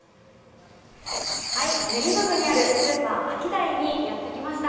練馬区にあるスーパー、アキダイにやってきました。